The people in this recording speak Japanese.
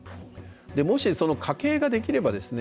もしその家系ができればですね